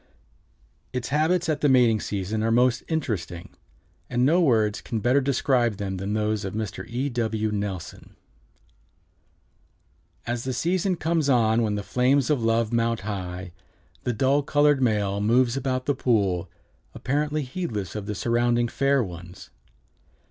Its habits at the mating season are most interesting, and no words can better describe them than those of Mr. E. W. Nelson: "As the season comes on when the flames of love mount high, the dull colored male moves about the pool, apparently heedless of the surrounding fair ones.